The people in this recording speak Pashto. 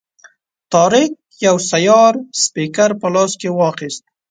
طارق یو سیار سپیکر په لاس کې واخیست.